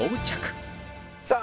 さあ